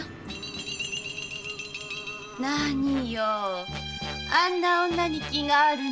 何よあんな女に気があるの？